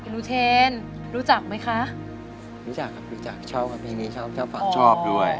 นูเชนรู้จักไหมคะรู้จักครับรู้จักชอบครับเพลงนี้ชอบชอบฟังชอบด้วย